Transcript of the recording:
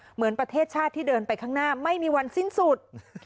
เหมือนประเทศชาติที่เดินไปข้างหน้าไม่มีวันสิ้นสุด